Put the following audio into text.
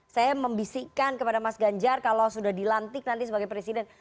saya membisikkan kepada mas ganjar kalau sudah dilantik nanti sebagai presiden